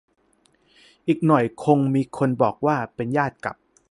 อีกหน่อยคงมีคนบอกว่า เป็นญาติกับ